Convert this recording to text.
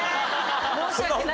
申し訳ない。